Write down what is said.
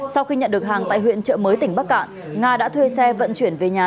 sau khi nhận được hàng tại huyện trợ mới tỉnh bắc cạn nga đã thuê xe vận chuyển về nhà